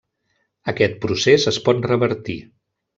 Aquest procés es pot revertir.